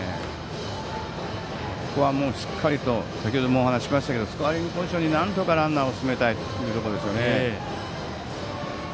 ここは、もう、しっかりとスコアリングポジションになんとかランナーを進めたいというところですね。